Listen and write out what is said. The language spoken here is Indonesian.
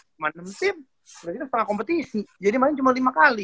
cuma enam tim berarti setengah kompetisi jadi main cuma lima kali